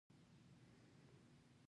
د غیر مسلمانانو په څېر یې غلامان کوي.